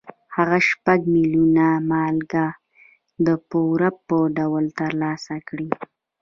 هغه شپږ میلیونه مارکه د پور په ډول ترلاسه کړل.